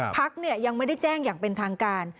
ภักดิ์เนี่ยยังไม่ได่แจ้งอย่างเป็นทางการ